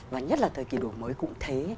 và nhất là thời kỳ đổi mới cũng thế